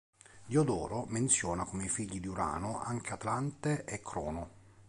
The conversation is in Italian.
Diodoro menziona come figli di Urano anche Atlante e Crono.